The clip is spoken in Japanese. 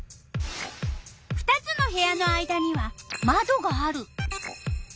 ２つの部屋の間にはまどがある。